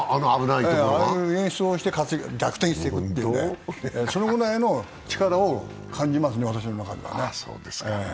ああいう演出をして逆転していくというね、そのぐらいの力を感じますね、私の中では。